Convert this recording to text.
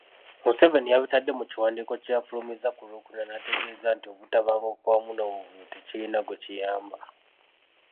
Museveni yabitadde mukiwandiiko kye yafulumizza ku Lwokuna n'ategeeza nti obutabanguko wamu n'obuvuyo tekirina gwe kiyamba.